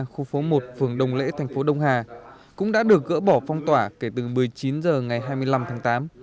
khu phố một phường đồng lễ thành phố đông hà cũng đã được gỡ bỏ phong tỏa kể từ một mươi chín h ngày hai mươi năm tháng tám